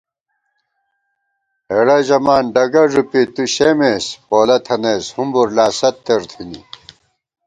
ہېڑہ ژَمان ڈگہ ݫُپی تُوشېمېس، پولہ تھنَئیس ہُمبر لا ستر تھنی